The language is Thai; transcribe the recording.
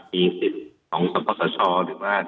มีสิทธิ์ของสำคับชชหรือว่า